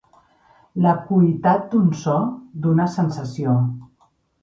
L'acuïtat d'un so, d'una sensació.